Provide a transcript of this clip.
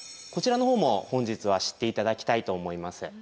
こちらの方も本日は知って頂きたいと思います。